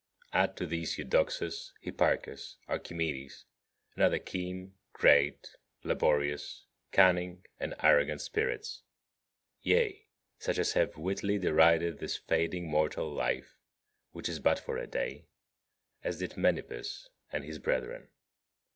Add to these Eudoxus, Hipparchus, Archimedes, and other keen, great, laborious, cunning and arrogant spirits; yea, such as have wittily derided this fading mortal life which is but for a day, as did Menippus and his brethren.